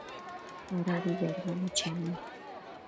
Todabi bedbono chenun